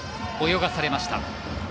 泳がされました。